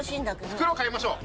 袋買いましょう。